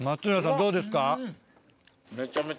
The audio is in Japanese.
どうですか？